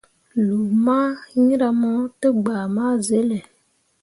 Lu mah hiŋra mo tegbah ma zele.